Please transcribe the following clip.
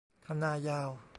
คันนายาว